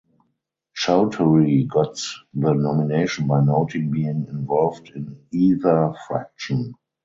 Chowdhury got the nomination by noting being involved in either fraction.